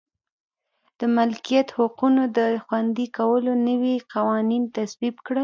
د مالکیت حقونو د خوندي کولو نوي قوانین تصویب کړل.